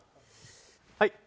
はい。